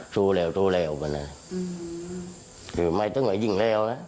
โทรแล้วโทรแล้วคือไม่ต้องการยิ่งแล้วนะ